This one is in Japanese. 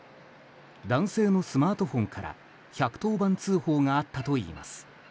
男性のスマートフォンから１１０番通報があったといいます。